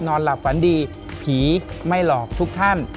นอนหลับฝันดีผีไม่หลอกทุกท่าน